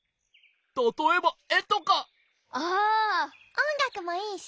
おんがくもいいし。